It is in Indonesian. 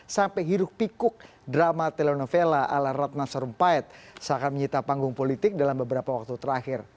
sampai hiruk pikuk drama telenovela ala ratna sarumpait seakan menyita panggung politik dalam beberapa waktu terakhir